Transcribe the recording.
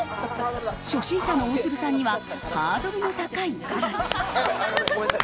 初心者の大鶴さんにはハードルの高い辛さ。